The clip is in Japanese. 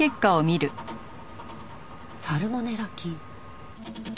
「サルモネラ菌」。